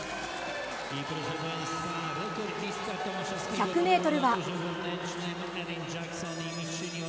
１００ｍは。